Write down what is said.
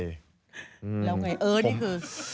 แล้วไงเออนี่คือ